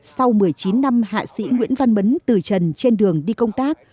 sau một mươi chín năm hạ sĩ nguyễn văn mấn từ trần trên đường đi công tác